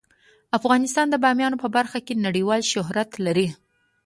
افغانستان د بامیان په برخه کې نړیوال شهرت لري.